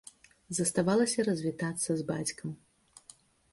Заставалася развітацца з бацькам.